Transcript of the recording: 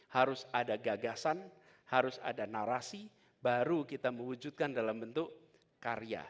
harus ada gagasan harus ada narasi baru kita mewujudkan dalam bentuk karya